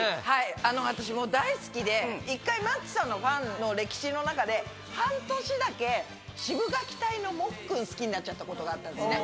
私、もう大好きで、１回、マッチさんのファンの歴史の中で、半年だけ、シブがき隊のもっくん、好きになっちゃったことがあったんですね。